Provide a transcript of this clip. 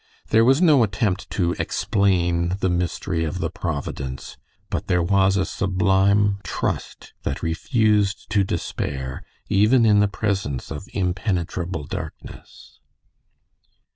There was no attempt to explain the "mystery of the Providence," but there was a sublime trust that refused to despair even in the presence of impenetrable darkness.